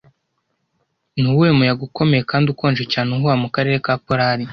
Nuwuhe muyaga ukomeye kandi ukonje cyane uhuha mukarere ka Polar